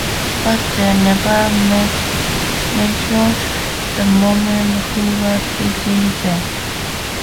But they never mentioned the woman who was between them.